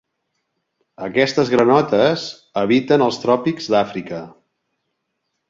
Aquestes granotes habiten als tròpics d'Àfrica.